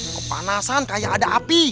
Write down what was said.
kepanasan kayak ada api